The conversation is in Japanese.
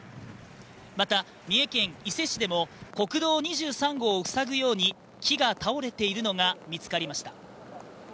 また三重県伊勢市でも国道２３号を塞ぐように木が倒れているのが見つかりました